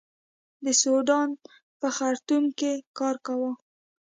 د سوډان په خرتوم کې کار کاوه.